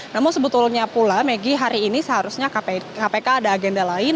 namun sebetulnya pula megi hari ini seharusnya kpk ada agenda lain